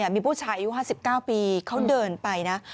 มีผู้ชายอายุ๕๙ปีเขาเดินไปนะ